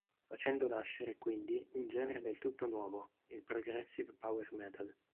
Facendo nascere, quindi, un genere del tutto nuovo: il Progressive Power Metal.